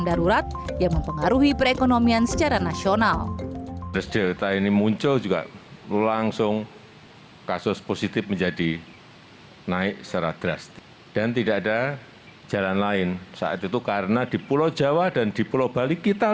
dan darurat yang mempengaruhi perekonomian secara nasional